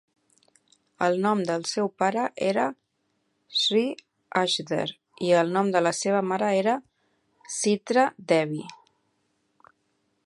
El nom del seu pare era Shri Ashudheer i el nom de la seva mare era Chitra Devi.